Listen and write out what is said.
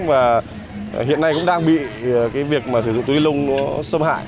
và hiện nay cũng đang bị cái việc sử dụng túi linh lông nó xâm hại